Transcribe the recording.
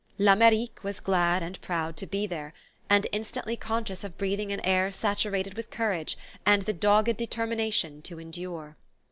L'Amerique was glad and proud to be there, and instantly conscious of breathing an air saturated with courage and the dogged determination to endure.